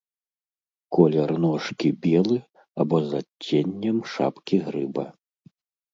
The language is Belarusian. Колер ножкі белы або з адценнем шапкі грыба.